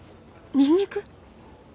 ニンニク！？